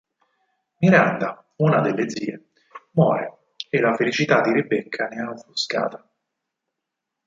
Miranda, una delle zie, muore e la felicità di Rebecca ne è offuscata.